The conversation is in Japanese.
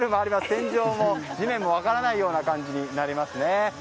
天井も地面も分からない感じになりますね。